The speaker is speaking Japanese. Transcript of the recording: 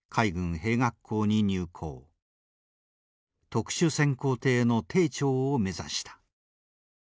特殊潜航艇の艇長を目指した。